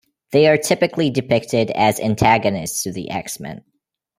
They are typically depicted as antagonists to the X-Men.